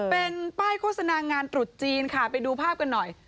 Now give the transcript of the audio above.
เป็นป้ายโฆษณางานตรุษจีนค่ะไปดูภาพกันหน่อย